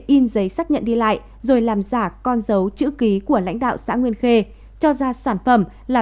in giấy xác nhận đi lại rồi làm giả con dấu chữ ký của lãnh đạo xã nguyên khê cho ra sản phẩm là